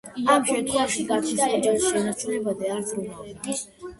ამ შემთხვევაში ფუტკრის ოჯახის შენარჩუნებაზე არ ზრუნავდნენ.